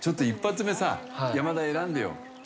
目さ山田、選んでよ。